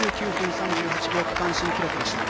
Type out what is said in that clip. ４９分３８秒区間新記録でした。